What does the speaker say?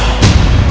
aku mau ke rumah